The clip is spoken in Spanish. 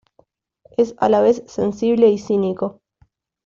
Es a la vez sensible y cínico.